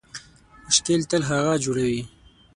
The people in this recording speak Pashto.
مشکل تل هغه جوړوي